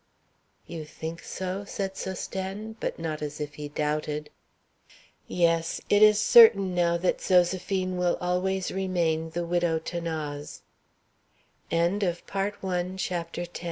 "You think so?" said Sosthène, but not as if he doubted. "Yes; it is certain now that Zoséphine will always remain the Widow 'Thanase." GRANDE POINTE.